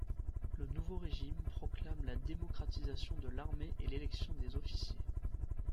Le nouveau régime proclame la démocratisation de l'armée et l'élection des officiers.